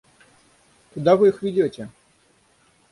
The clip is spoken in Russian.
— Куда вы их ведете?